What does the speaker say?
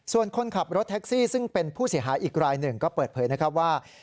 ส่วนคนขับรถแท็กซี่ซึ่งเป็นผู้เสียหายอีกรายหนึ่งก็เปิดเผยนะครับว่า